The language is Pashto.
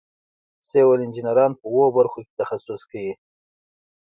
سیول انجینران په اوو برخو کې تخصص کوي.